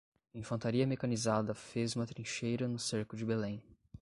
Infantaria mecanizada fez uma trincheira no cerco de Belém